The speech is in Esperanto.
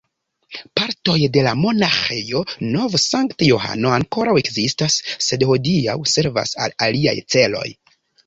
Partoj de la Monaĥejo Nov-Sankt-Johano ankoraŭ ekzistas, sed hodiaŭ servas al aliaj celoj.